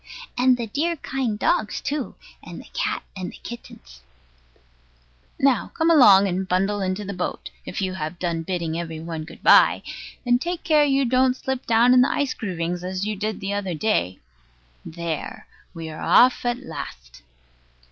And the dear kind dogs too, and the cat and the kittens. Now, come along, and bundle into the boat, if you have done bidding every one good bye; and take care you don't slip down in the ice groovings, as you did the other day. There, we are off at last.